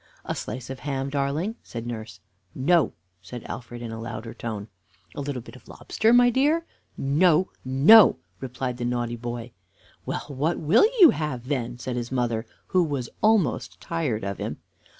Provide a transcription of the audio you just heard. "A slice of ham, darling?" said nurse. "No," said Alfred, in a louder tone. "A little bit of lobster, my dear?" "No, no," replied the naughty boy. "Well, what will you have, then?" said his mother, who was almost tired of him.